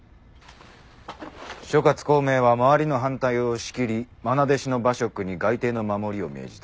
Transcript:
諸葛孔明は周りの反対を押し切り愛弟子の馬謖に街亭の守りを命じた。